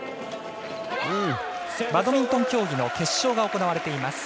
バドミントン競技の決勝が行われています。